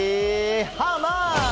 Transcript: ハウマッチ！